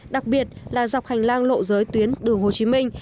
đặc biệt là dọc hành lang lộ giới tuyến đường hồ chí minh